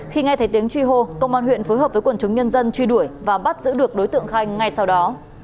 khi nghe thấy tiếng truy hô công an huyện phối hợp với quần chúng nhân dân truy đuổi và bắt giữ được đối tượng khanh ngay sau đó